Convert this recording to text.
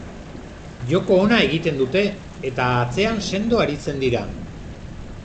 Joko ona egiten dute, eta atzean sendo aritzen dira.